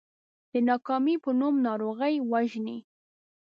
د ناکامۍ په نوم ناروغي ووژنئ .